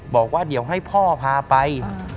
บอกว่าเดี๋ยวให้พ่อพาไป